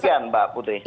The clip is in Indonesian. demikian mbak putri